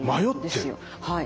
はい。